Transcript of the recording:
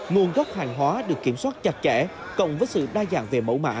nguồn gốc hàng hóa được kiểm soát chặt chẽ cộng với sự đa dạng về mẫu mã